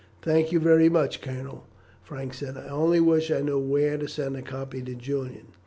"Thank you very much, Colonel," Frank said. "I only wish I knew where to send a copy to Julian."